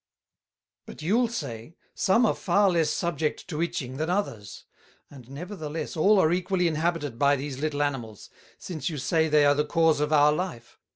"But you'll say, some are far less subject to Itching than others; and, nevertheless, all are equally inhabited by these little Animals, since you say they are the Cause of our Life.